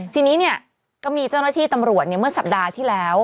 ทีนี้เนี่ยก็มีเจ้าหน้าที่ตำรวจเมื่อสัปดาห์ที่แล้ว